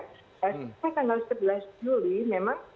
sebenarnya tanggal sebelas juli memang